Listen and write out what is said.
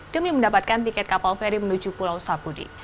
demi mendapatkan tiket kapal feri menuju pulau sapudi